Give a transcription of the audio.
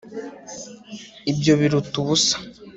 ibyo biruta ubusa